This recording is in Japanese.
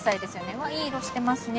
うわっいい色してますね。